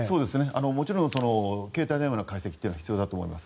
もちろん携帯電話の解析は必要だと思います。